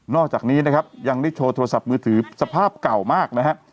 อกจากนี้นะครับยังได้โชว์โทรศัพท์มือถือสภาพเก่ามากนะฮะ